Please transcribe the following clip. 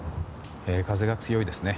風が強いですね。